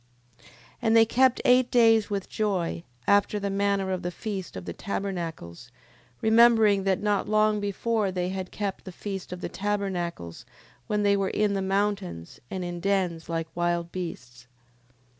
10:6. And they kept eight days with joy, after the manner of the feast of the tabernacles, remembering that not long before they had kept the feast of the tabernacles when they were in the mountains, and in dens like wild beasts.